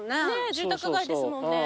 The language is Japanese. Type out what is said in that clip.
住宅街ですもんね。